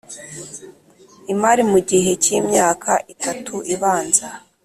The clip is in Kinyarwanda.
imari mu gihe cy’myaka itatu ibanza